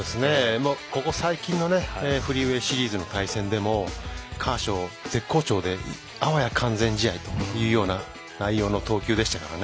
ここ最近のシリーズの対戦でもカーショー、絶好調であわや完全試合というような内容の投球でしたから。